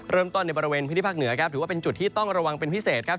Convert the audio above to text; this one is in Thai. ในบริเวณพื้นที่ภาคเหนือครับถือว่าเป็นจุดที่ต้องระวังเป็นพิเศษครับ